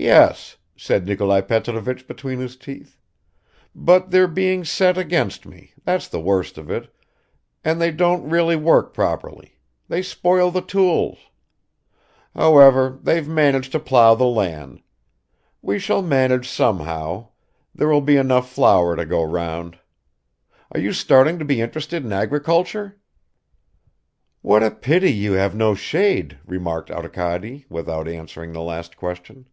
"Yes," said Nikolai Petrovich between his teeth. "But they're being set against me, that's the worst of it, and they don't really work properly; they spoil the tools. However, they've managed to plough the land. We shall manage somehow there will be enough flour to go round. Are you starting to be interested in agriculture?" "What a pity you have no shade," remarked Arkady, without answering the last question.